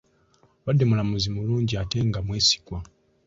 Abadde mulamuzi mulungi ate nga mwesigwa.